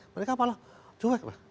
mereka malah cuek lah